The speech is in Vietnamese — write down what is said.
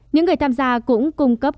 những người tham gia cũng cung cấp